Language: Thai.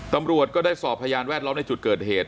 ตำรวจก็ได้สอบพยานแวดล้อมในจุดเกิดเหตุ